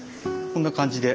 こんな感じで。